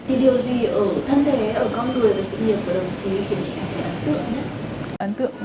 thì điều gì ở thân thế ở con người và sự nghiệp của đồng chí khiến chị cảm thấy ấn tượng nhất ấn tượng